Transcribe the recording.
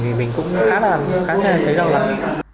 thì mình cũng khá là thấy lo lắng